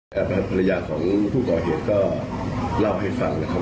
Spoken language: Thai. เมื่อเป็นตำรวจก่อเหตุก่อคดีแบบนี้นะครับ